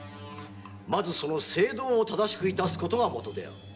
まず政道を正しく致すことが元である。